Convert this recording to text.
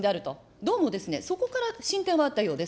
どうも、そこから進展があったようです。